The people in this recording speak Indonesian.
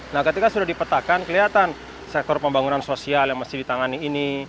nah ketika sudah dipetakan kelihatan sektor pembangunan sosial yang mesti ditangani ini